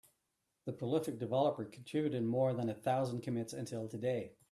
The prolific developer contributed more than a thousand commits until today.